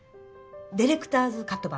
ディレクターズカット版。